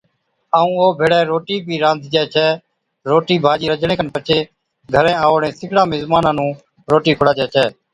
ائُون او ڀيڙَي روٽِي بِي رانڌجَي ڇَي۔ روٽِي ڀاڄِي رجھڻي کن پڇي گھرين آئُوڙان سِگڙان مزمانا نُون روٽِي کُڙاجَي ڇَي